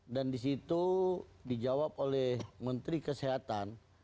dan disitu dijawab oleh menteri kesehatan